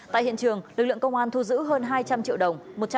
tại hiện trường lực lượng công an thu giữ hơn hai trăm linh triệu đồng